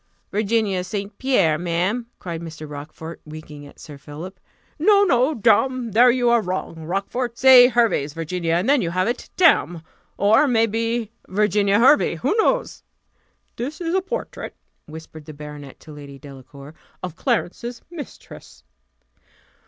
"Virginia St. Pierre! ma'am," cried Mr. Rochfort, winking at Sir Philip. "No, no, damme! there you are wrong, Rochfort; say Hervey's Virginia, and then you have it, damme! or, may be, Virginia Hervey who knows?" "This is a portrait," whispered the baronet to Lady Delacour, "of Clarence's mistress."